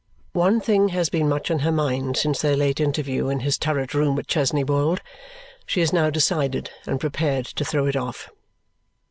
One thing has been much on her mind since their late interview in his turret room at Chesney Wold. She is now decided, and prepared to throw it off.